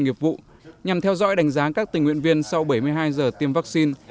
nghiệp vụ nhằm theo dõi đánh giá các tình nguyện viên sau bảy mươi hai giờ tiêm vắc xin